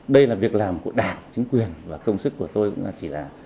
đây là việc làm của đảng chính quyền và công sức của tôi cũng chỉ là